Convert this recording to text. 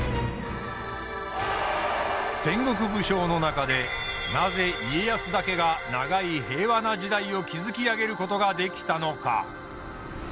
戦国武将の中でなぜ家康だけが長い平和な時代を築き上げることができたのか？